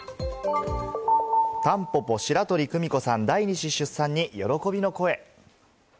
たんぽぽ白鳥久美子さん、第２子出産に喜びの声。